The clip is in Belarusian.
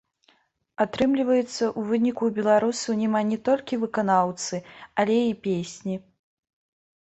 Атрымліваецца, у выніку ў беларусаў няма не толькі выканаўцы, але і песні.